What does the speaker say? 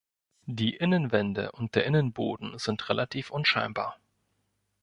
Die Innenwände und der Innenboden sind relativ unscheinbar.